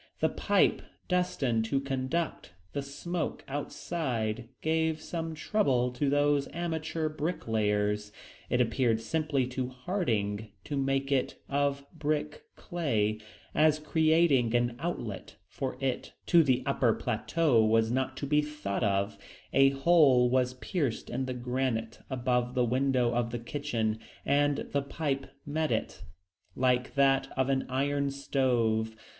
The pipe destined to conduct the smoke outside gave some trouble to these amateur bricklayers. It appeared simplest to Harding to make it of brick clay; as creating an outlet for it to the upper plateau was not to be thought of, a hole was pierced in the granite above the window of the kitchen, and the pipe met it like that of an iron stove.